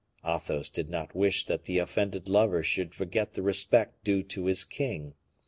Athos did not wish that the offended lover should forget the respect due to his king.